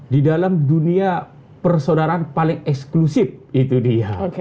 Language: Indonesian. di dalam dunia persaudaraan paling eksklusif itu dia